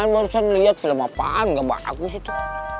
barusan liat film apaan gak bagus itu